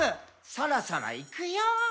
「そろそろいくよー」